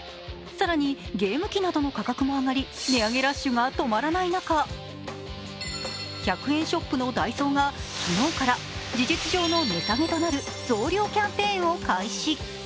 更にゲーム機などの価格も上がり、値上げラッシュが止まらない中、１００円ショップのダイソーが昨日から事実上の値下げとなる増量キャンペーンを開始。